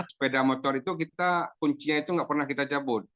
sepeda motor itu kita kuncinya itu nggak pernah kita cabut